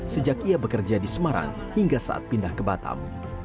sejak ia bekerja di semarang hingga saat pindah ke batam